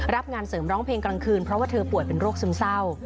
รับงานเสริมร้องเพลงกลางคืนเพราะว่าเธอป่วยเป็นโรคซึมเศร้า